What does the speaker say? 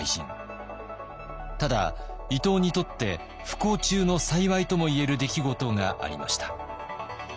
ただ伊藤にとって不幸中の幸いとも言える出来事がありました。